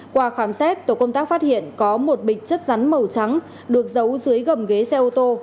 qua khám xét tổ công tác phát hiện có một bịch chất rắn màu trắng được giấu dưới gầm ghế xe ô tô